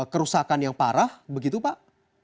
kerusakan yang parah begitu pak